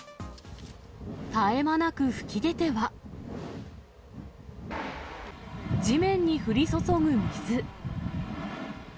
絶え間なく噴き出ては、地面に降り注ぐ水。